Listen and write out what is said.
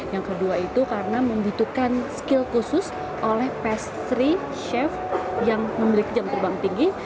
yang kedua itu karena membutuhkan skill khusus oleh pastry chef yang memiliki jam terbang tinggi